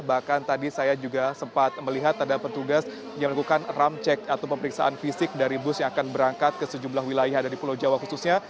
bahkan tadi saya juga sempat melihat ada petugas yang melakukan ramcek atau pemeriksaan fisik dari bus yang akan berangkat ke sejumlah wilayah dari pulau jawa khususnya